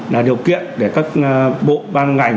là điều kiện để các bộ văn ngành